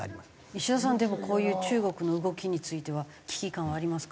石田さんでもこういう中国の動きについては危機感はありますか？